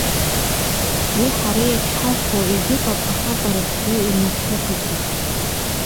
Уи ҳара иахьҳахәауа егьыҟам, аха бара бзы инарцәгатәуп.